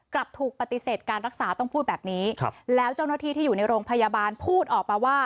กลับถูกปฏิเสธการรักษาต้องพูดแบบนี้ครับแล้วเจ้าหน้าที่ที่อยู่ในโรงพยาบาลพูดออกมาว่า